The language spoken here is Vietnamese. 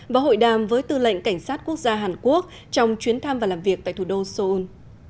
và hội đàm với tư lệnh cảnh sát quốc gia hàn quốc trong chuyến thăm và làm việc tại thủ đô seoul